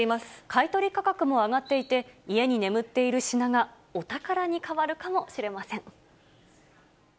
買い取り価格も上がっていて、家に眠っている品が、お宝に変わるかもしれません。